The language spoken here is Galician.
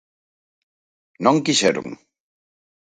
Non quixeron.